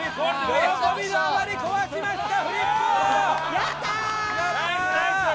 喜びのあまり壊しましたフリップを！